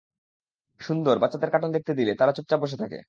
সুন্দর, বাচ্চাদের কার্টুন দেখতে দিলে, -তারা চুপচাপ বসে থাকে।